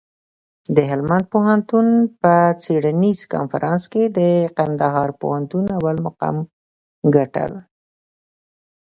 د هلمند پوهنتون په څېړنیز کنفرانس کي د کندهار پوهنتون اول مقام ګټل.